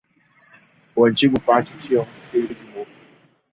O antigo pátio tinha um cheiro de mofo.